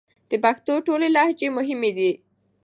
د پښتو ټولې لهجې مهمې دي